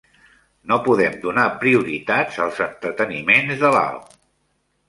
No podem donar prioritat als entreteniments de Lao.